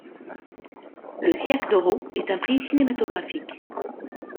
Le Ciak d'oro est un prix cinématographique.